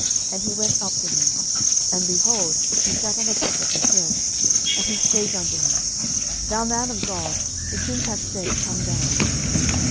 And he went up to him: and, behold, he sat on the top of an hill. And he spake unto him, Thou man of God, the king hath said, Come down.